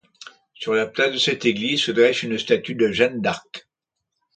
Sur la place de cette église, se dresse une statue de Jeanne d'Arc.